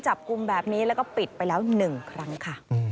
จับกลุ่มแบบนี้แล้วก็ปิดไปแล้ว๑ครั้งค่ะ